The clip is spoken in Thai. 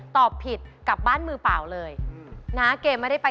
ตอบเลยครับ